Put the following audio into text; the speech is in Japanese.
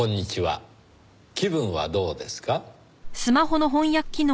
気分はどうですか？